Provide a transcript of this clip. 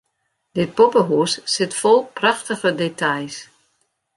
Dit poppehûs sit fol prachtige details.